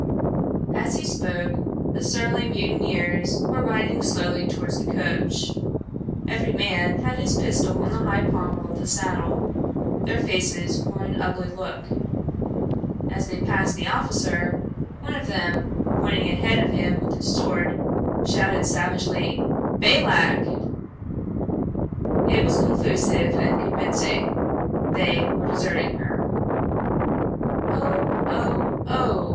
As he spoke, the surly mutineers were riding slowly towards the coach. Every man had his pistol on the high pommel of the saddle. Their faces wore an ugly look. As they passed the officer, one of them, pointing ahead of him with his sword, shouted savagely, "Balak!" It was conclusive and convincing. They were deserting her. "Oh, oh, oh!